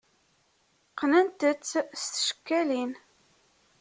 Qqnent-tt s tcekkalin.